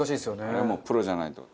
あれはもうプロじゃないと。